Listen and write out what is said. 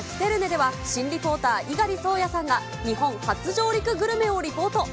では、新リポーター、猪狩蒼弥さんが日本初上陸グルメをリポート。